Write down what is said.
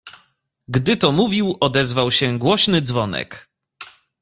"Gdy to mówił odezwał się głośny dzwonek."